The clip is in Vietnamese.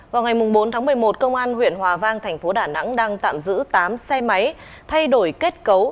vào ngày bốn tháng một mươi một công an huyện hòa vang thành phố đà nẵng đang tạm giữ tám xe máy thay đổi kết cấu